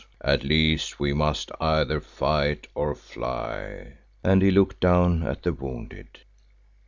At least we must either fight or fly," and he looked down at the wounded.